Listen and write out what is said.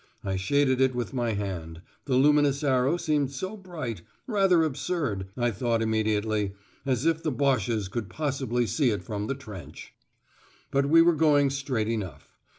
I shaded it with my hand, the luminous arrow seemed so bright: "rather absurd," I thought immediately, "as if the Boches could possibly see it from the trench." But we were going straight enough.